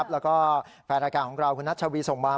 แล้วก็แฟนรายการของเราคุณนัชวีส่งมา